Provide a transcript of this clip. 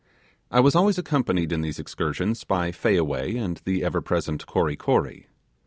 I was always accompanied in these excursions by Fayaway and the ever present Kory Kory.